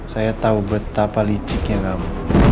saya tahu betapa liciknya kamu